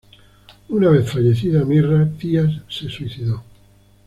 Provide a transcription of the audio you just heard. Una vez fallecida Mirra, Tías se suicidó.